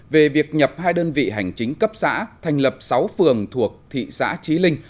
về việc nhập hai đơn vị hành chính cấp xã thành lập sáu phường thuộc thị xã trí linh